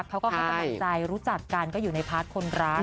เขาก็ให้กำลังใจรู้จักกันก็อยู่ในพาร์ทคนรัก